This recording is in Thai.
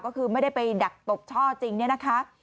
ก็คือไม่ได้ไปดักตกช่อจริงเนี่ยนะคะ